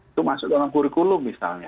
itu masuk dalam kurikulum misalnya